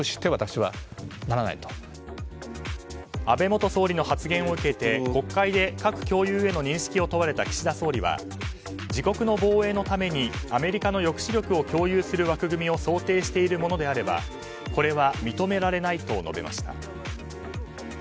安倍元総理の発言を受けて国会で核共有への認識を問われた岸田総理は自国の防衛のためにアメリカの抑止力を共有する枠組みを想定しているものであればこれは認められないと述べました。